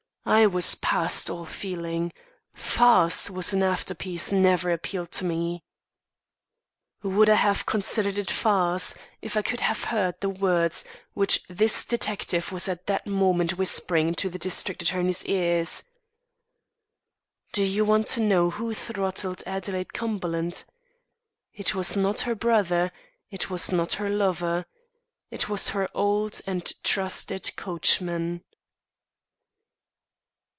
I was past all feeling. Farce as an after piece never appealed to me. Would I have considered it farce if I could have heard the words which this detective was at that moment whispering into the district attorney's ears: "Do you want to know who throttled Adelaide Cumberland? It was not her brother; it was not her lover; it was her old and trusted coachman."